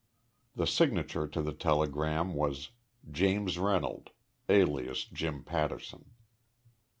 The signature to the telegram was "James Reynolds, alias Jim Patterson."